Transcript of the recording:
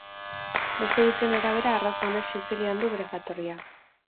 Beste iritzien arabera arraza honek Sizilian du bere jatorria.